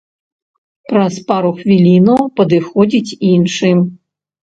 Праз пару хвілінаў падыходзіць іншы.